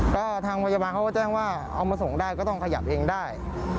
ก็ทางพยาบาลเขาก็แจ้งว่าเอามาส่งได้ก็ต้องขยับเองได้